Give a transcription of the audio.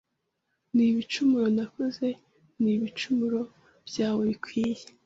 Ni ibicumuro nakoze ni ibicumuro byawe bikwiye